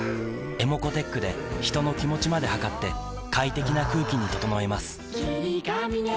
ｅｍｏｃｏーｔｅｃｈで人の気持ちまで測って快適な空気に整えます